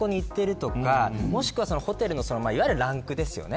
そこに行っているとかもしくはホテルのいわゆるランクですよね